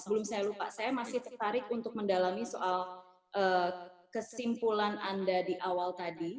sebelum saya lupa saya masih tertarik untuk mendalami soal kesimpulan anda di awal tadi